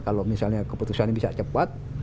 kalau misalnya keputusan ini bisa cepat